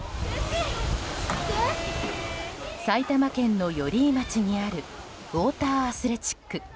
埼玉県の寄居町にあるウォーターアスレチック。